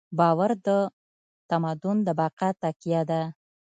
باور د تمدن د بقا تکیه ده.